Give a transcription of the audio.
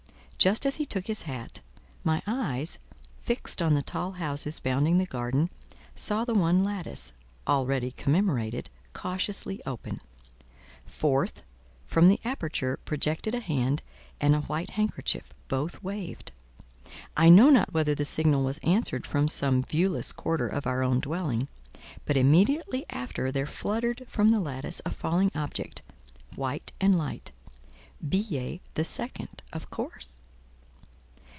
Just as he took his hat, my eyes, fixed on the tall houses bounding the garden, saw the one lattice, already commemorated, cautiously open; forth from the aperture projected a hand and a white handkerchief; both waved. I know not whether the signal was answered from some viewless quarter of our own dwelling; but immediately after there fluttered from, the lattice a falling object, white and light—billet the second, of course.